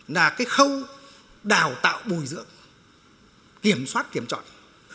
nó là cái khâu đào tạo bùi dưỡng kiểm soát kiểm chọn